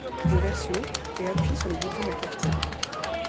Je verse l’eau et appuie sur le bouton de la cafetière.